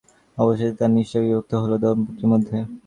অবশেষে তার নিষ্ঠা বিভক্ত হল দম্পতির মধ্যে।